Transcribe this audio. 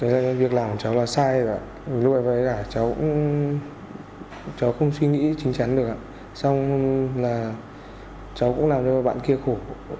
xong là cháu cũng làm cho bạn kia khổ